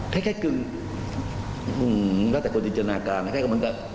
แค่แค่กึ่งอืมแล้วแต่กฎิจจนาการแค่ก็เหมือนกับ